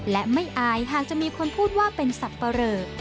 และไม่อายหากจะมีคนพูดว่าเป็นสับปะเรอ